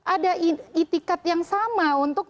ada itikat yang sama untuk